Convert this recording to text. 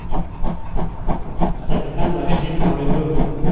سەگەکان باشترین هاوڕێی مرۆڤن.